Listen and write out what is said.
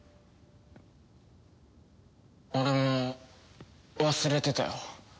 俺も忘れてたよ。